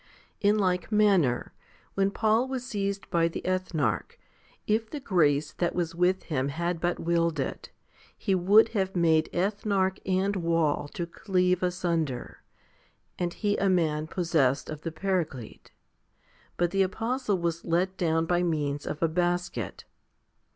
In like manner, when Paul was seized by the ethnarch, if the grace that was with him had but willed it, he would have made ethnarch and wall to cleave asunder and he a man possessed of the Paraclete ; but the apostle was let down by means of a basket.